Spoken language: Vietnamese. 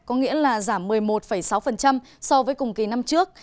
có nghĩa là giảm một mươi một sáu so với cùng kỳ năm trước